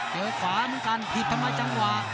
เจอขวาเหมือนกันผิดทำไมจังหวะ